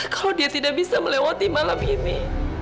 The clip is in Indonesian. kalau dia tidak bisa melewati malam ini